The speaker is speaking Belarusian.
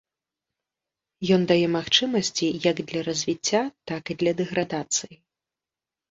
Ён дае магчымасці як для развіцця, так і для дэградацыі.